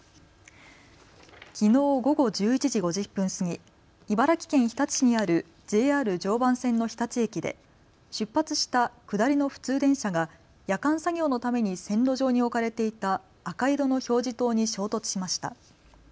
きのう午後１１時５０分過ぎ、茨城県日立市にあるＪＲ常磐線の日立駅で出発した下りの普通電車が夜間作業のために線路上に置かれていた赤色の表示灯に衝突しました。